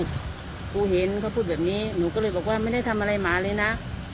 กูเห็นเขาพูดแบบนี้หนูก็เลยบอกว่าไม่ได้ทำอะไรหมาเลยนะ